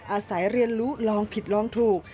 อาศัยเรียนรู้ลองผิดลองถูก